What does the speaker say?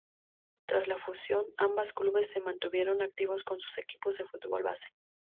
Tras la fusión, ambos clubes se mantuvieron activos con sus equipos de fútbol base.